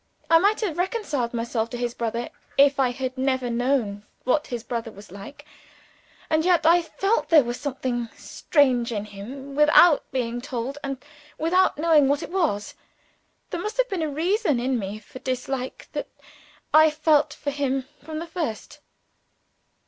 "I might have reconciled myself to his brother, if I had never known what his brother was like. And yet I felt there was something strange in him, without being told, and without knowing what it was. There must have been a reason in me for the dislike that I felt for him from the first."